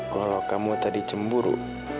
kalau kamu tadi cemburu